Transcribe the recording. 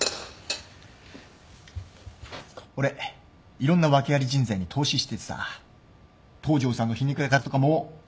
俺いろんな訳あり人材に投資しててさ東城さんのひねくれ方とかもう。